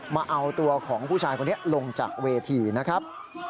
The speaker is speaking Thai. มาเอาตัวของผู้ชายคนนี้ลงจากเวทีนะครับ